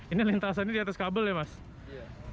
ini lintasan di atas kabel ya mas iya